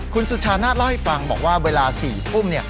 คุณสุชานาศเล่าให้ฟังบอกว่าเวลา๔ทุ่ม